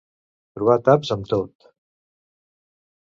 Trobar taps en tot.